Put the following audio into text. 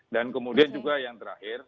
dan kemudian juga yang terakhir